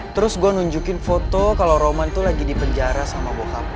terus gue nunjukin foto kalau roman tuh lagi di penjara sama bocah